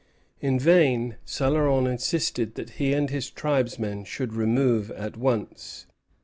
In vain Céloron insisted that he and his tribesmen should remove at once.